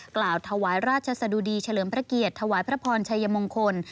กล่าวถวายราชสะดุดีเฉลิมพระเกียรติถวายพระพรชัยมงคล